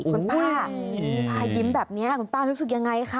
คุณป้าพายิ้มแบบนี้คุณป้ารู้สึกยังไงคะ